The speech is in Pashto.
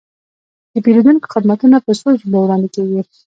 د پیرودونکو خدمتونه په څو ژبو وړاندې کیږي.